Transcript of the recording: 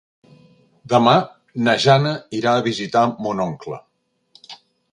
Demà na Jana irà a visitar mon oncle.